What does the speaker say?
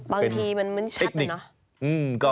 บางทีมันชัดอะเนาะ